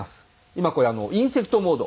今これインセクトモード